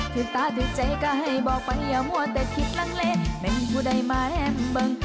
ถือตาถือใจก็ให้บอกไปอย่าหัวแต่คิดลังเลเป็นผู้ได้มาแรมบัง